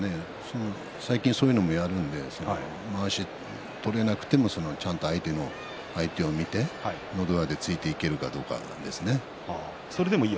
最近そういうのもやるのでまわしを取れなくてもちゃんと相手を見てのど輪で突いていけるかどうかなんですね。